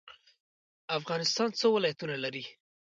افغانستان څو ولایتونه لري؟